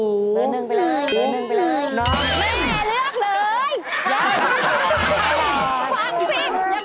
มือหนึ่งไปเลยน้อง